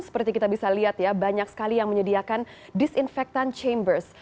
seperti kita bisa lihat ya banyak sekali yang menyediakan disinfektan chambers